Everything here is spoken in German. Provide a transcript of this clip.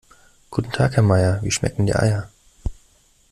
Guten Tag Herr Meier, wie schmecken die Eier?